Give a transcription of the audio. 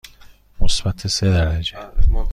مثبت سه درجه.